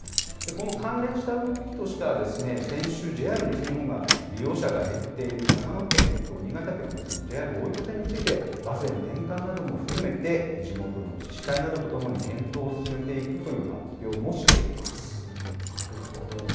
この関連した動きとしては先週、ＪＲ西日本が利用者が減っている、長野県と新潟県を結ぶＪＲ大糸線について、バスへの転換なども含めて、地元の自治体などとともに、検討を進めていくという発表もしなるほど。